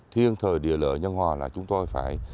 thiên thời địa lợi nhân hòa là chúng tôi phải